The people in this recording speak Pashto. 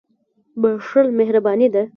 • بښل مهرباني ده.